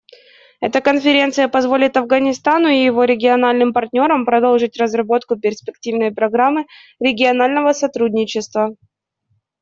Эта конференция позволит Афганистану и его региональным партнерам продолжить разработку перспективной программы регионального сотрудничества.